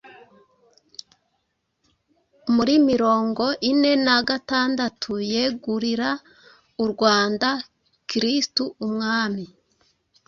muri mirongo ine na gatandatu yegurira u Rwanda Kristu Umwami